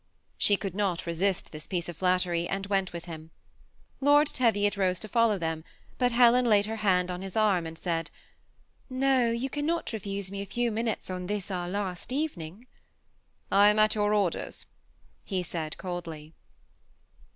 She could not resist this piece of flattery, and went with him. Lord Teviot rose to follow them, but Helen laid her hand on his arm, and said, ^'No, you cannot refuse me a few minutes on this our last evening." '< I am at your orders," he said, coldly.